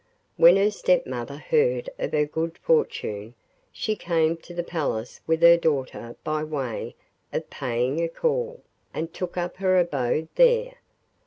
When her stepmother heard of her good fortune she came to the palace with her daughter by way of paying a call, and took up her abode there.